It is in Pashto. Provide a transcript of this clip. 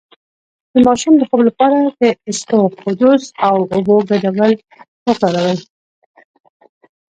د ماشوم د خوب لپاره د اسطوخودوس او اوبو ګډول وکاروئ